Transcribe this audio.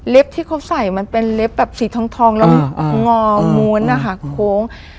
เล็บที่เขาใส่มันเป็นเล็บแบบสีทองแล้วงอมวนคง